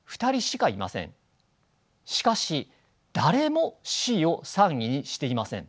しかし誰もＣを３位にしていません。